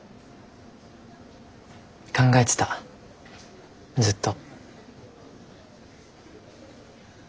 考えてたずっと。